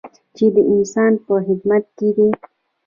چې د انسان په خدمت کې دی.